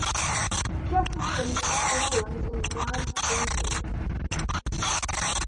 Jeff Lynne, Pharrell Williams and Brad Paisley.